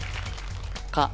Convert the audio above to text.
「か」